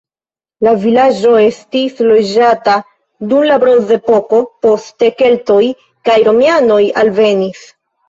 La vilaĝo estis loĝata dum la bronzepoko, poste keltoj kaj romianoj alvenis.